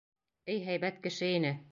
Эй һәйбәт кеше ине!..